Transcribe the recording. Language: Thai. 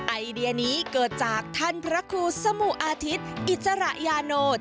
ไอเดียนี้เกิดจากท่านพระครูสมุอาทิตย์อิสระยาโนธ